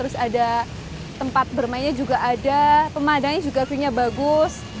mulai dari ada tamannya tempat bermainnya juga ada pemandangnya juga view nya bagus